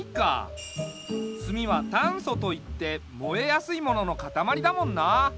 炭は炭素といって燃えやすいもののかたまりだもんな。